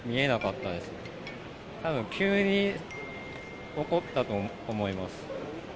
たぶん急に起こったと思います。